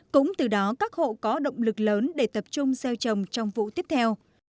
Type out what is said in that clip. cũng từ đó các hộ có động lực lớn để tập trung gieo trồng trong vụ tiếp theo